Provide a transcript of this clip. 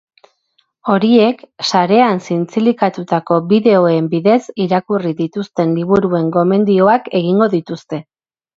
Horiek, sarean zintzilikatutako bideoen bidez, irakurri dituzten liburuen gomendioak egingo dituzte.